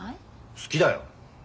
好きだよ。